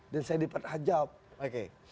dan saya dapat jawab